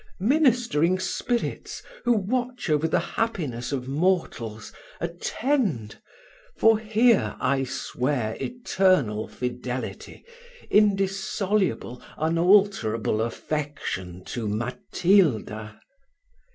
Ministering spirits, who watch over the happiness of mortals, attend! for here I swear eternal fidelity, indissoluble, unalterable affection to Matilda!"